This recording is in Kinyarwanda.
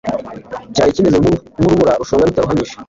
cyari kimeze nk'urubura rushonga bitaruhanyije